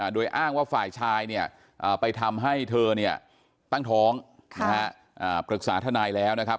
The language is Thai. โดยอ้างว่าฝ่ายชายเนี่ยไปทำให้เธอเนี่ยตั้งท้องปรึกษาทนายแล้วนะครับ